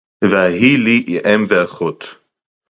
וַהֲיִי לִי אֵם וְאָחוֹת